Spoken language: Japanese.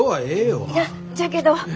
いやじゃけど。